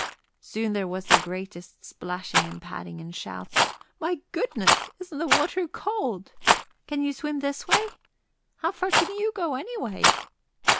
Soon there was the greatest splashing and paddling and shouts of, "My goodness, isn't the water cold!" "Can you swim this way?" "How far can you go, anyway?"